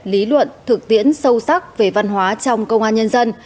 lý luận thực tiễn sâu sắc về văn hóa trong công an nhân dân